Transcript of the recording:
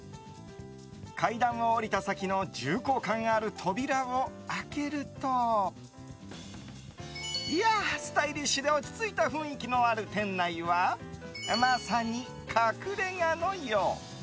階段を下りた先の重厚感ある扉を開けるとスタイリッシュで落ち着いた雰囲気のある店内はまさに隠れ家のよう。